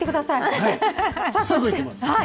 すぐ行きます！